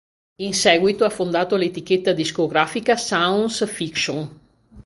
In seguito ha fondato l'etichetta discografica Sounds Fiction.